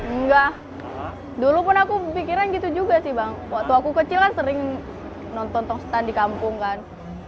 enggak dulu pun aku pikiran gitu juga sih bang waktu aku kecil kan sering nonton tongstan di kampung kan